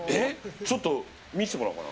ちょっと見せてもらおうかな。